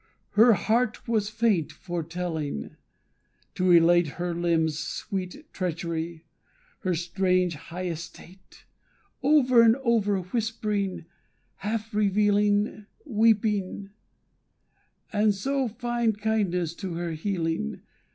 Her heart was faint for telling; to relate Her limbs' sweet treachery, her strange high estate, Over and over, whispering, half revealing, Weeping; and so find kindness to her healing.